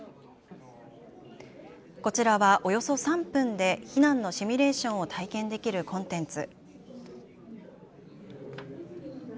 こちらはおよそ３分で避難のシミュレーションを体験できるコンテンツ。